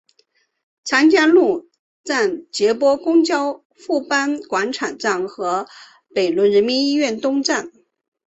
长江路站接驳公交富邦广场站和北仑人民医院东站。